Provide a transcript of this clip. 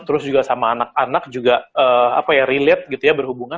terus juga sama anak anak juga relate gitu ya berhubungan